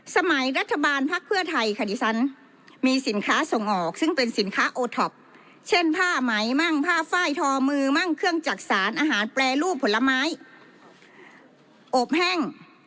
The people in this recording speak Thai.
สมัยรัฐบาลภักดิ์เพื่อไทยค่ะดิฉันมีสินค้าส่งออกซึ่งเป็นสินค้าโอท็อปเช่นผ้าไหมมั่งผ้าไฟล์ทอมือมั่งเครื่องจักษานอาหารแปรรูปผลไม้อบแห้ง